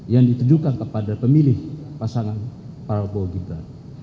yang ditujukan kepada pemilih pasangan prabowo gibran